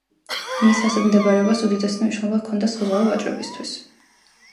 მის ასეთ მდებარეობას უდიდესი მნიშვნელობა ჰქონდა საზღვაო ვაჭრობისთვის.